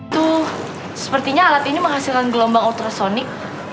tuh sepertinya alat ini menghasilkan gelombang ultrasonic